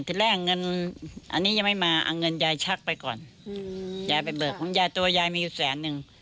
ที่แรกเงินอันนี้ยังไม่มาเอาเงินยายชักไปก่อนยายไปเบิกของยายตัวยายมีอยู่แสนนึง